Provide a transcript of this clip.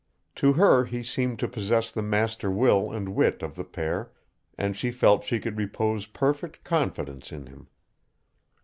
To her he seemed to possess the master will and wit of the pair, and she felt she could repose perfect confidence in him.